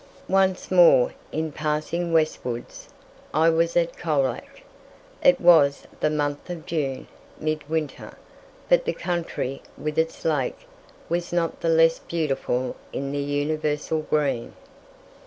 Once more, in passing westwards, I was at Colac. It was the month of June (midwinter), but the country, with its lake, was not the less beautiful in the universal green.